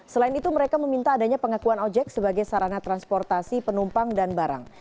selain itu mereka meminta adanya pengakuan ojek sebagai sarana transportasi penumpang dan barang